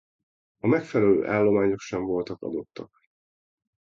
A megfelelő állományok sem voltak adottak.